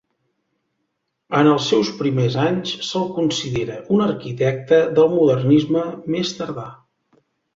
En els seus primers anys se'l considera un arquitecte del modernisme més tardà.